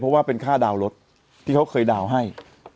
เพราะว่าเป็นค่าดาวนรถที่เขาเคยดาวน์ให้